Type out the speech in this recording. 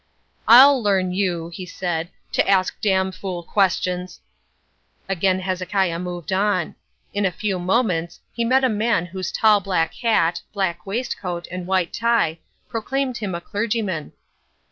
"I'll learn you," he said, "to ask damn fool questions—" Again Hezekiah moved on. In a few moments he met a man whose tall black hat, black waistcoat and white tie proclaimed him a clergyman.